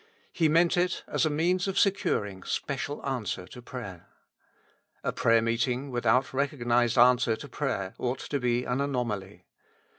He meant it as a means of securing special answer to prayer. A prayer meeting without recognized answer to prayer ought to be an anomaly.